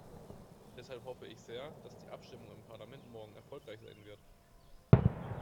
Deshalb hoffe ich sehr, dass die Abstimmung im Parlament morgen erfolgreich sein wird.